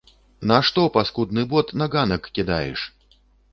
Нашто паскудны бот на ганак кідаеш?